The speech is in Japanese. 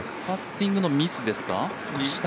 パッティングのミスですか。